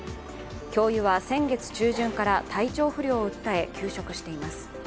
教諭は先月中旬から体調不良を訴え休職しています。